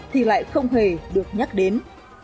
thì lại không hề được nhắc đến